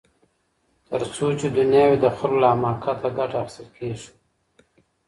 تر څو چي دنیا وي د خلګو له حماقته ګټه اخیستل کیږي.